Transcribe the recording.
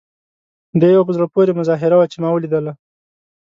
دا یوه په زړه پورې مظاهره وه چې ما ولیدله.